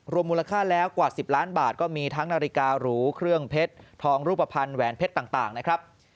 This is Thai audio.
มูลค่าแล้วกว่า๑๐ล้านบาทก็มีทั้งนาฬิการูเครื่องเพชรทองรูปภัณฑ์แหวนเพชรต่างนะครับ